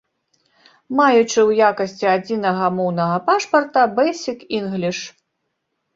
Маючы ў якасці адзінага моўнага пашпарта бэйсік-інгліш.